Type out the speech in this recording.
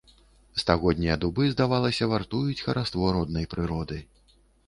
Стагоднія дубы, здавалася, вартуюць хараство роднай прыроды.